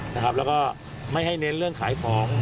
แล้วก็ไม่ให้เน้นเรื่องขายของ